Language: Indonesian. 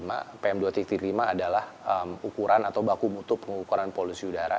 jadi di dua ribu dua puluh satu rata rata pm dua lima adalah ukuran atau baku mutuk pengukuran polusi udara